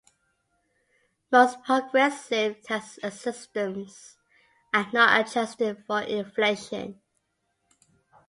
Most progressive tax systems are not adjusted for inflation.